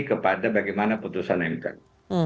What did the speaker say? kepada bagaimana putusan yang diperlukan